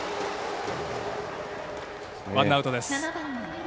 ワンアウトです。